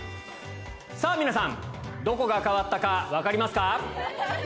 さぁ皆さんどこが変わったか分かりますか？